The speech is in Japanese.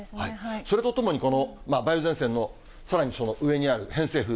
それとともに、この梅雨前線のさらにその上にある偏西風。